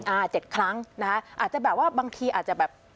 ๗ครั้งนะคะอาจจะแบบว่าบางทีอาจจะแบบ